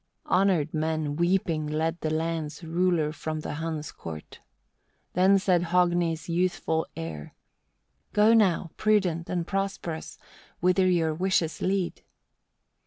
12. Honoured men, weeping led the land's ruler from the Huns' court. Then said Hogni's youthful heir: "Go now, prudent and prosperous, whither your wishes lead."